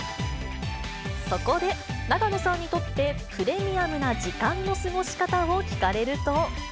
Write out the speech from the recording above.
そこで、永野さんにとって、プレミアムな時間の過ごし方を聞かれると。